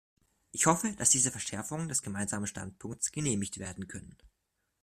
Ich hoffe, dass diese Verschärfungen des Gemeinsamen Standpunkts genehmigt werden können.